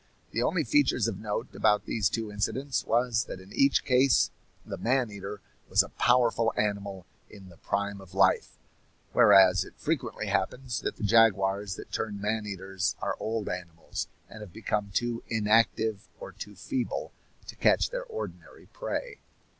The only features of note about these two incidents was that in each case the man eater was a powerful animal in the prime of life; whereas it frequently happens that the jaguars that turn man eaters are old animals, and have become too inactive or too feeble to catch their ordinary prey.